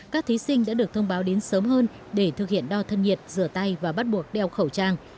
các thí sinh đã được thông báo đến sớm hơn để thực hiện đo thân nhiệt rửa tay và bắt buộc đeo khẩu trang